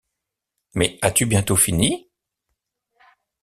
Mais as-tu bientôt fini?